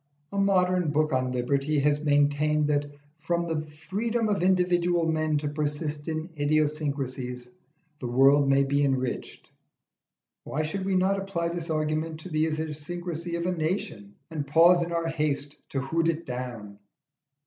A modern book on Liberty has maintained that from the freedom of individual men to persist in idiosyncrasies the world may be enriched. Why should we not apply this argument to the idiosyncrasy of a nation, and pause in our haste to hoot it down?